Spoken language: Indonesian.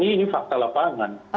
ini fakta lapangan